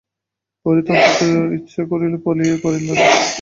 পড়িতে অত্যন্ত ইচ্ছা করিল বলিয়াই পড়িল না।